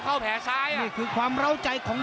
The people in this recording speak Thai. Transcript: เข้าแผงซ้ายนี่คือความร้าวใจของ